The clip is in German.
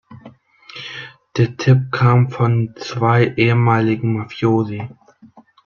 Der Tipp kam von zwei ehemaligen Mafiosi.